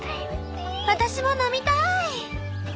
「私も飲みたい」。